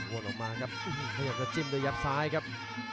ว่นออกมาครับขยับจะจิ้มโดยยับซ้ายครับ